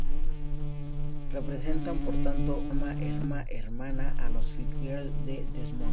Representan por tanto una "rama" hermana a los Fitzgerald de Desmond.